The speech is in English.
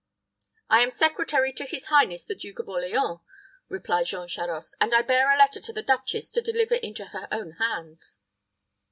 "I am secretary to his highness the Duke of Orleans," replied Jean Charost; "and I bear a letter to the duchess to deliver into her own hands."